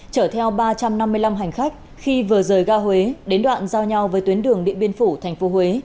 trở theo ba trăm năm mươi năm hành khách khi vừa rời gà huế đến đoạn giao nhau với tuyến đường điện biên phủ thành phố huế